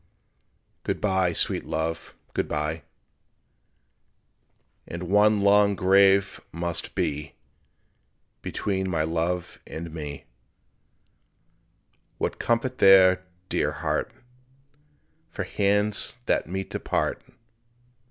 Good bye, sweet love, good bye, And one long grave must be Between my love and me; What comfort there, dear heart, For hands that meet to part?